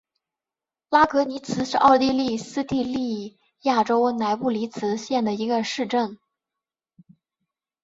拉格尼茨是奥地利施蒂利亚州莱布尼茨县的一个市镇。